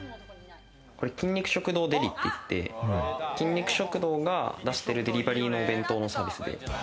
これ筋肉食堂ＤＥＬＩって言って、筋肉食堂が出してるデリバリーのお弁当のサービス。